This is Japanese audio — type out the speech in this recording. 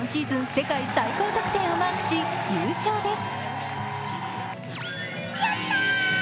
世界最高得点をマークし優勝です。